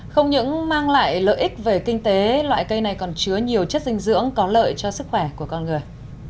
không những mang lại lợi ích về kinh tế loại cây này còn chứa nhiều chất dinh dưỡng có lợi cho sức khỏe của con người